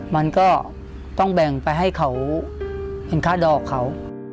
มันก็ต้องแบ่งไปให้เขาเป็นค่าดอกเขา